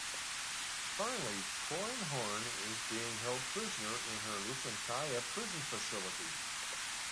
Finally, Corran Horn is being held prisoner in her "Lusankya" prison facility.